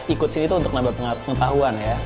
ikut sini itu untuk nambah pengetahuan ya